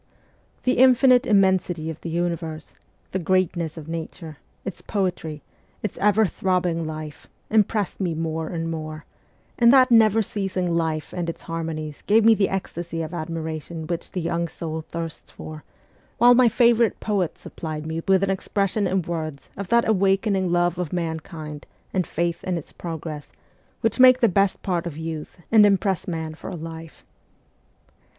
The infinite immensity of the universe, the greatness of nature, its poetry, its ever throbbing life, impressed me more and more ; and that never ceasing life and its harmonies gave me the ecstasy of admiration which the young soul thirsts for, while my favourite poets supplied me with an expression in words of that awakening love of mankind and faith in its progress which make the best part of youth and impress man for a life.